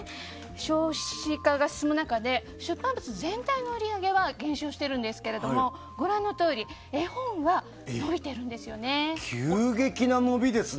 少子化が進む中で出版物全体の売り上げは減少しているんですがご覧のとおり絵本は伸びているんです。